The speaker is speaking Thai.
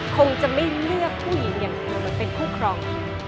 คงจะไม่เลือกผู้หญิงอย่างเดียวมาเป็นคู่ครอง